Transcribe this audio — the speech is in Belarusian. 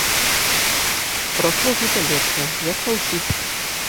Парасло жыта лепшае, як ва ўсіх.